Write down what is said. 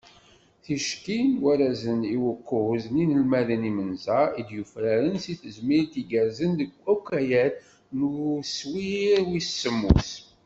Tikci n warrazen i ukuẓ n yinelmaden imenza, i d-yufraren s tezmilt igerrzen deg ukayad n uswir wis semmus.